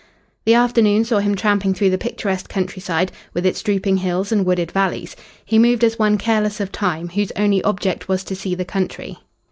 The afternoon saw him tramping through the picturesque countryside, with its drooping hills and wooded valleys. He moved as one careless of time, whose only object was to see the country.